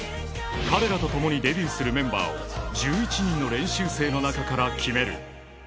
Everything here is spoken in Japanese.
彼らとともにデビューするメンバーを１１人の練習生の中から決める。